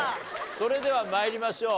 それでは参りましょう。